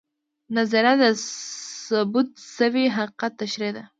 نظریه د ثبوت شوي حقیقت تشریح ده